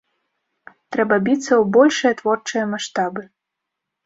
Трэба біцца ў большыя творчыя маштабы.